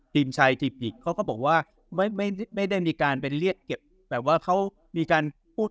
ติดต่ำชายที่หยิบเขาก็บอกว่าไม่ได้มีการไปเรียนเก็บแบบว่าเขามีการพูด